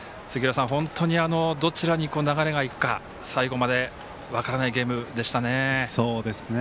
本当にどちらに流れがいくか最後まで分からないゲームでしたね。